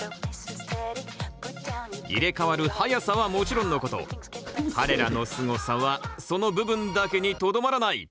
入れ代わる速さはもちろんのこと彼らのすごさはその部分だけにとどまらない。